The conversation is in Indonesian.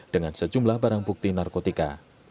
dengan sejumlah barang bukti narkotika